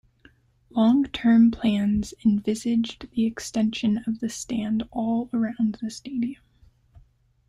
Long-term plans envisaged the extension of the stand all around the stadium.